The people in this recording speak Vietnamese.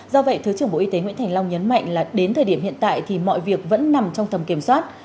do vậy thứ trưởng bộ y tế nguyễn thành long nhấn mạnh là đến thời điểm hiện tại thì mọi việc vẫn nằm trong tầm kiểm soát